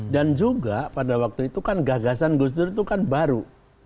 dan juga pada waktu itu kan gagasan gus dur itu kan baru